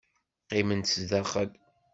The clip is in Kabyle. Qqimemt zdaxel.